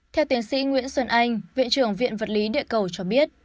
theo tiến sĩ nguyễn xuân anh viện trưởng viện vật lý địa cầu cho biết